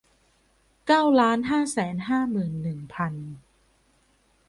เก้าล้านห้าแสนห้าหมื่นหนึ่งพัน